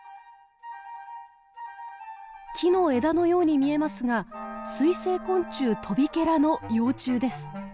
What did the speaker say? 木の枝のように見えますが水生昆虫トビケラの幼虫です。